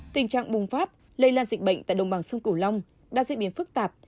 tình trạng bùng phát lây lan dịch bệnh tại đồng bằng sông cửu long đã diễn biến phức tạp